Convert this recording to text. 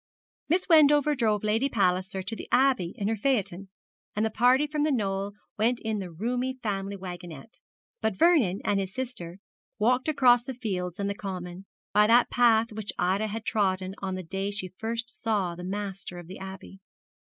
Miss Wendover drove Lady Palliser to the Abbey in her phaeton, and the party from the Knoll went in the roomy family waggonette; but Vernon and his sister walked across the fields and the common, by that path which Ida had trodden on the day she first saw the master of the Abbey.